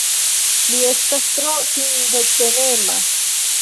Li estas tro sindetenema.